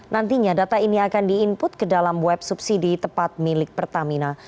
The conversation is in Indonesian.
nantinya data ini akan di input ke dalam web subsidi tepat milik pertamina